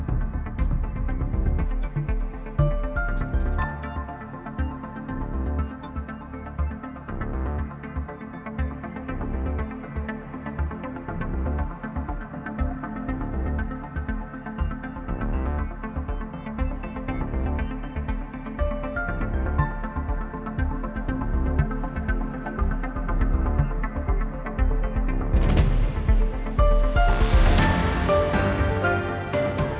สวัสดีครับสวัสดีครับสวัสดีครับ